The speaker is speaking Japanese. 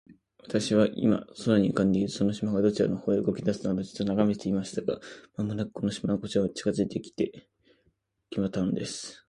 私は、今、空に浮んでいるその島が、どちら側へ動きだすかと、じっと眺めていました。が、間もなく、島はこちらの方へ近づいて来たのです。